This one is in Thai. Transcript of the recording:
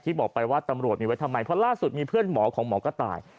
บอกไปว่าตำรวจมีไว้ทำไมเพราะล่าสุดมีเพื่อนหมอของหมอกระต่าย